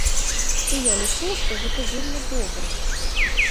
І я лічу, што гэта вельмі добра.